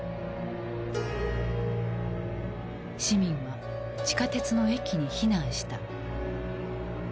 市民は地下鉄の駅に避難した。